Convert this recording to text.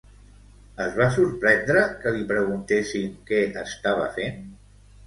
Es va sorprendre que li preguntessin què estava fent?